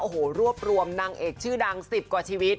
โอ้โหรวบรวมนางเอกชื่อดัง๑๐กว่าชีวิต